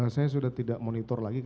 saya sudah tidak monitor lagi